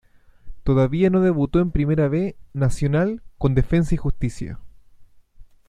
Todavía no debutó en Primera B Nacional con Defensa y Justicia